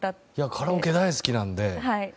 カラオケ大好きなんで。